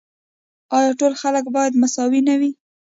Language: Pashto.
آیا ټول خلک باید مساوي نه وي؟